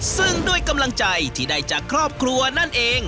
ซึ่งด้วยกำลังใจที่ได้จากครอบครัวนั่นเอง